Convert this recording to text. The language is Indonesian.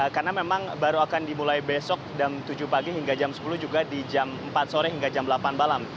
karena memang baru akan dimulai besok jam tujuh pagi hingga jam sepuluh juga di jam empat sore hingga jam delapan malam